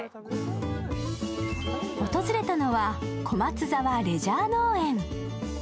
訪れたのは小松沢レジャー農園